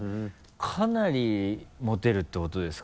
かなり持てるってことですか？